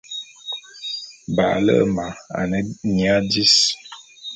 Ba’ale’e ma ane nyia dis.